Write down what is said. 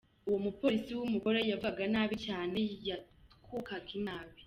Uwo mupolisi w’umugore yavugaga nabi cyane, yatwukaga inabi.